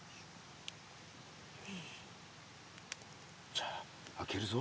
じゃあ開けるぞ。